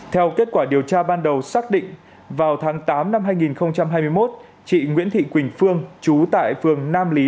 theo kết quả điều tra ban đầu xác định vào tháng tám năm hai nghìn hai mươi một chị nguyễn thị quỳnh phương chú tại phường nam lý